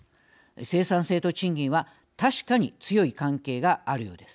生産性と賃金は確かに強い関係があるようです。